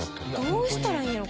どうしたらいいんやろ？